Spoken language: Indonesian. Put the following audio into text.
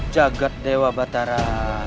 jagat dewa batara